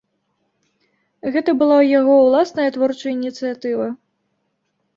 Гэта была яго ўласная творчая ініцыятыва.